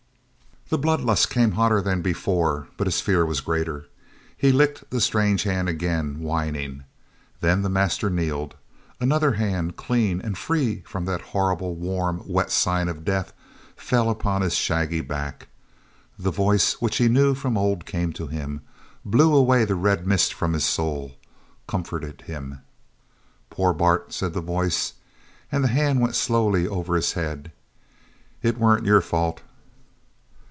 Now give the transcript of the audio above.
That blood lust came hotter than before, but his fear was greater. He licked the strange hand again, whining. Then the master kneeled. Another hand, clean, and free from that horrible warm, wet sign of death, fell upon his shaggy back. The voice which he knew of old came to him, blew away the red mist from his soul, comforted him. "Poor Bart!" said the voice, and the hand went slowly over his head. "It weren't your fault."